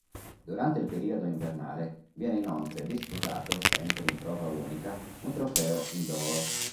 Durante il periodo invernale viene inoltre disputato, sempre in prova unica, un trofeo "indoor".